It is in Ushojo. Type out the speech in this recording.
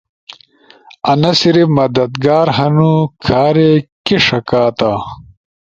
انا صرف مددگار ہنو، کھارے کے ݜکاتا۔